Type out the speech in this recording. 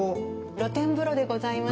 露天風呂でございます。